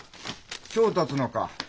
今日たつのか。